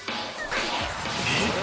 えっ？